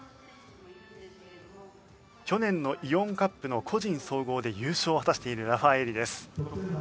去年のイオンカップの個人総合で優勝を果たしているラファエーリです。